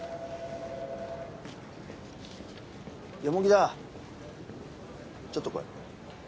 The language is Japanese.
田ちょっと来い。